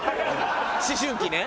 思春期ね。